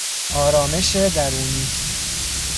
آرامش درونی